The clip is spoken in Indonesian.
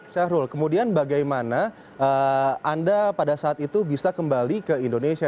syahrul kemudian bagaimana anda pada saat itu bisa kembali ke indonesia